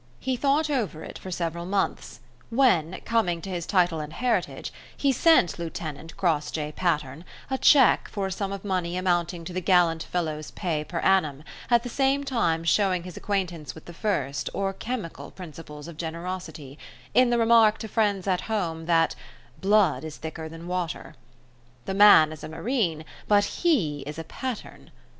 He thought over it for several months, when, coming to his title and heritage, he sent Lieutenant Crossjay Patterne a cheque for a sum of money amounting to the gallant fellow's pay per annum, at the same time showing his acquaintance with the first, or chemical, principles of generosity, in the remark to friends at home, that "blood is thicker than water". The man is a Marine, but he is a Patterne.